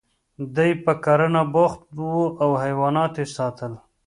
دی په کرنه بوخت و او حیوانات یې ساتل